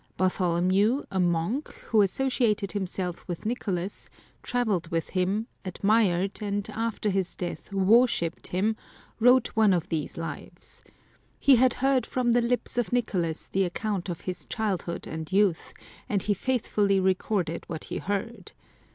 Bartholomew, a monk, who associated himself with Nicolas, travelled with him, admired, and after his death worshipped him, wrote one of these lives. He had heard from the lips of Nicolas the account of his childhood and youth, and he faithfully recorded what he heard.